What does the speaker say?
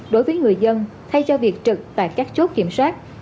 đối với người dân thay cho việc trực tại các chốt kiểm soát